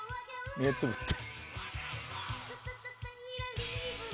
目つぶって。